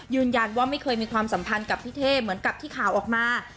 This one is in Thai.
ไม่เคยมีความสัมพันธ์กับพี่เท่เหมือนกับที่ข่าวออกมา